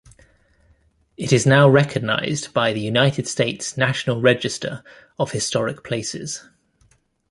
It is now recognized by the United States National Register of Historic Places.